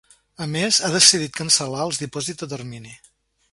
A més, ha decidit cancel·lar els dipòsits a termini.